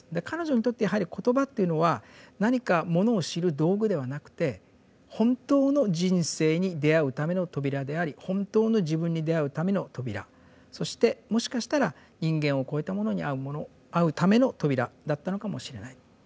彼女にとってやはり言葉というのは何かものを知る道具ではなくて本当の人生に出会うための扉であり本当の自分に出会うための扉そしてもしかしたら人間をこえたものに会うための扉だったのかもしれない。